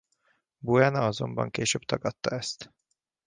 Buena azonban később tagadta ezt.